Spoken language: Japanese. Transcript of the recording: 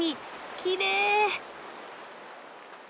きれい。